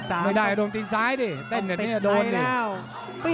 ไม่ได้ต้องติ้งซ้ายดิแต่เงินนี้จะโดนดิ